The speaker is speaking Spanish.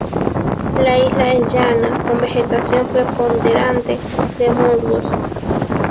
La isla es llana con vegetación preponderante de musgos.